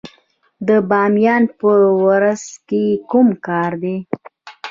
د بامیان په ورس کې کوم کان دی؟